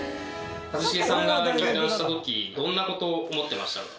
一茂さんが入団したとき、どんなことを思ってましたか？